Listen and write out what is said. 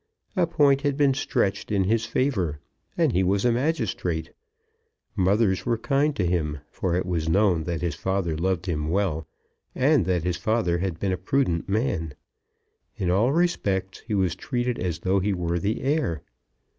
A point had been stretched in his favour, and he was a magistrate. Mothers were kind to him, for it was known that his father loved him well, and that his father had been a prudent man. In all respects he was treated as though he were the heir.